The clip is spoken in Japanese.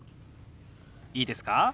いいですか？